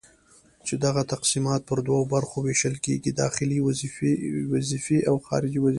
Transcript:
چي دغه تقسيمات پر دوو برخو ويشل کيږي:داخلي وظيفي او خارجي وظيفي